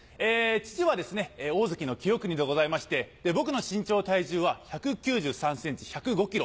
父はですね大関の清國でございまして僕の身長体重は１９３ｃｍ１０５ｋｇ。